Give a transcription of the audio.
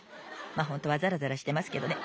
まあホントはざらざらしてますけどね。